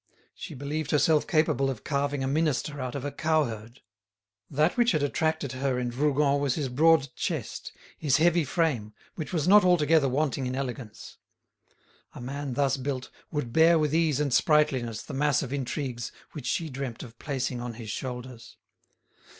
She believed herself capable of carving a minister out of a cow herd. That which had attracted her in Rougon was his broad chest, his heavy frame, which was not altogether wanting in elegance. A man thus built would bear with ease and sprightliness the mass of intrigues which she dreamt of placing on his shoulders.